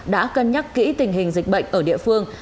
đã cân nhắc kỹ tình hình dịch bệnh ở địa phương